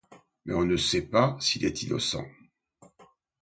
Mais on ne sait pas s'il est innocent.